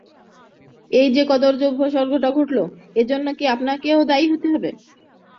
এই-যে কদর্য উপসর্গটা ঘটল এজন্য কি আপনাকেও দায়ী হতে হবে না?